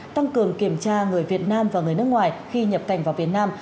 tăng cường kiểm tra người việt nam và người nước ngoài khi nhập cảnh vào việt nam